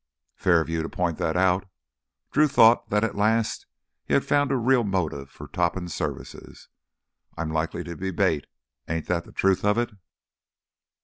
"Fair of you to point that out." Drew thought that at last he had found a real motive for Topham's services. "I'm likely to be bait, ain't that the truth of it?"